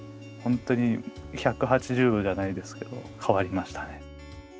ほんとに１８０度じゃないですけど変わりましたね。